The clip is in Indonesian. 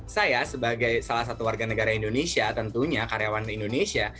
saya sebagai salah satu warga negara indonesia tentunya karyawan indonesia